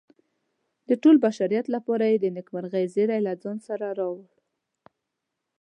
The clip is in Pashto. د ټول بشریت لپاره یې د نیکمرغۍ زیری له ځان سره راوړ.